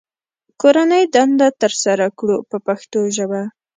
کورنۍ دنده ترسره کړو په پښتو ژبه.